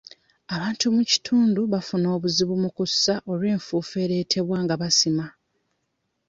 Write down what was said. Abantu mu kitundu bafuna obuzibu mu kussa olw'enfuufu ereetebwa nga basima.